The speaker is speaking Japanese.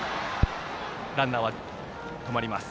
ランナーは止まります。